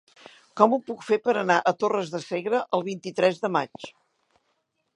Com ho puc fer per anar a Torres de Segre el vint-i-tres de maig?